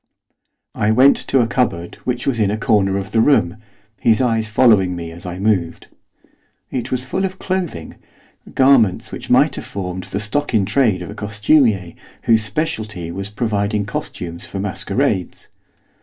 I went to a cupboard which was in a corner of the room, his eyes following me as I moved. It was full of clothing, garments which might have formed the stock in trade of a costumier whose speciality was providing costumes for masquerades.